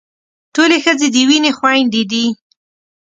ټولې ښځې د وينې خويندې دي.